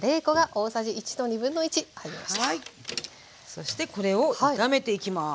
そしてこれを炒めていきます。